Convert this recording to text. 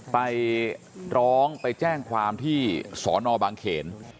ไปร้องไปแจ้งความที่สอนอบางเขน